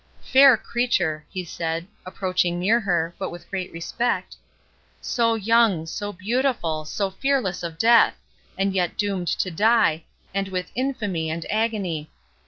—Fair creature!" he said, approaching near her, but with great respect,—"so young, so beautiful, so fearless of death! and yet doomed to die, and with infamy and agony.